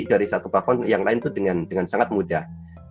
dari satu platform ke yang lain dengan sangat mudah